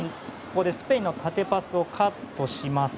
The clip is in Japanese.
まずスペインの縦パスをカットします。